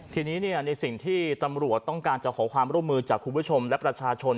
ทีนี้ในสิ่งที่ตำรวจต้องการจะขอความร่วมมือจากคุณผู้ชมและประชาชน